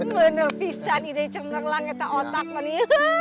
bener pisan ide cemerlang eta otak ma ni